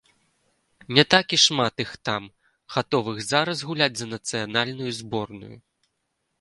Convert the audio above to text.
Не так і шмат іх там, гатовых зараз гуляць за нацыянальную зборную.